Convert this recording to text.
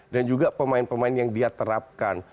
dan juga pemain pemain yang dia terapkan